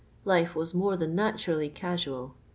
Life Avas more than naturally casual.